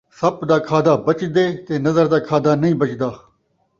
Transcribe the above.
سپ دا کھادا بچدے تے نظر دا کھادا نئیں بچدا